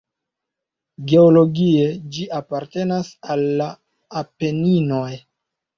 Geologie ĝi apartenas al la Apeninoj.